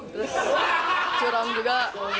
terus curam juga